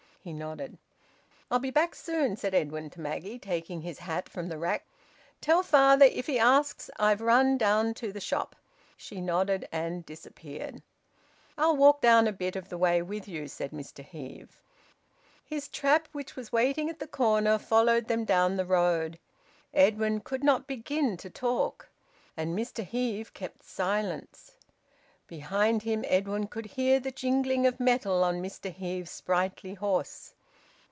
He nodded. "I'll be back soon," said Edwin to Maggie, taking his hat from the rack. "Tell father if he asks I've run down to the shop." She nodded and disappeared. "I'll walk down a bit of the way with you," said Mr Heve. His trap, which was waiting at the corner, followed them down the road. Edwin could not begin to talk. And Mr Heve kept silence. Behind him, Edwin could hear the jingling of metal on Mr Heve's sprightly horse.